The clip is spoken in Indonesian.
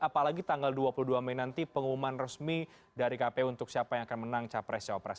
apalagi tanggal dua puluh dua mei nanti pengumuman resmi dari kpu untuk siapa yang akan menang capres capres